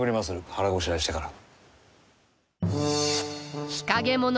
腹ごしらえしてから。